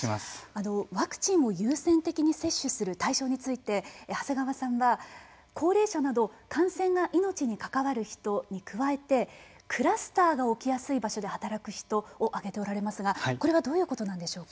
ワクチンを優先的に接種する対象について長谷川さんは高齢者など感染が命に関わる人に加えてクラスターが起きやすい場所で働く人を上げておられますがこれはどういうことなんでしょうか。